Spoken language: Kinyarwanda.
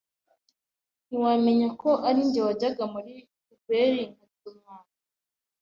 ntiwamenya ko ari njye wajyaga muri poubelle nkarya umwanda